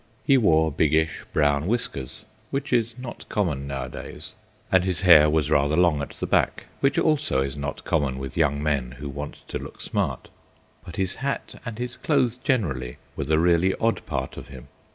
He wore biggish brown whiskers which is not common nowadays and his hair was rather long at the back which also is not common with young men who want to look smart but his hat, and his clothes generally, were the really odd part of him.